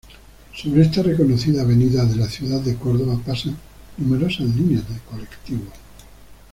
Sobre esta reconocida avenida de la Ciudad de Córdoba, pasan numerosas líneas de colectivos.